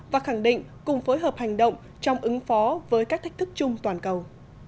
và khẳng định cùng phối hợp hành động trong ứng phó với các thách thức chung toàn cầu